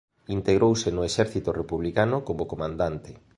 Integrouse no exército republicano como comandante.